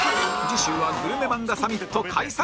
次週はグルメ漫画サミット開催！